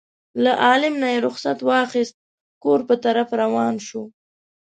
له عالم نه یې رخصت واخیست کور په طرف روان شو.